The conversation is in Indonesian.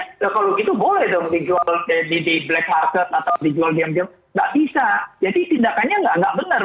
nggak bisa jadi tindakannya nggak benar